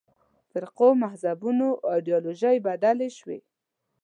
فرقو مذهبونو ایدیالوژۍ بدلې شوې.